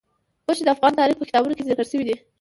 غوښې د افغان تاریخ په کتابونو کې ذکر شوی دي.